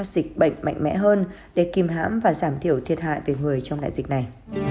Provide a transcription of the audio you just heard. để kiểm soát dịch bệnh mạnh mẽ hơn để kim hãm và giảm thiểu thiệt hại về người trong đại dịch này